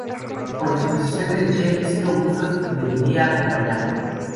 Por disposición del Che, Ciro Bustos debería acompañarlo.